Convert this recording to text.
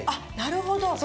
なるほど！